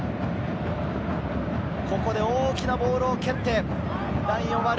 ここで大きなボールを蹴って、ラインを割る。